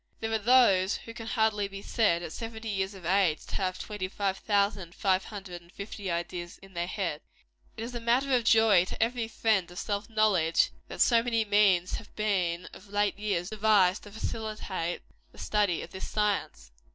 There are those who can hardly be said, at seventy years of age, to have twenty five thousand five hundred and fifty ideas in their heads. It is a matter of joy to every friend of self knowledge, that so many means have been, of late years, devised to facilitate the study of this science.